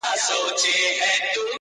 موږ ته ورکي لاري را آسانه کړي!!